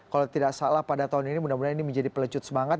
kalau tidak salah pada tahun ini mudah mudahan ini menjadi pelecut semangat